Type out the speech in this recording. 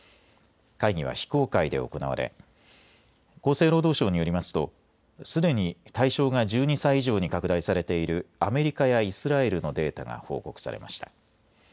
会議は非公開で行われ厚生労働省によりますとすでに対象が１２歳以上に拡大されているアメリカやイスラエルのデータが報告されました。